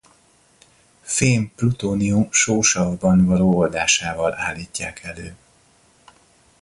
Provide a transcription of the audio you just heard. Fém plutónium sósavban való oldásával állítják elő.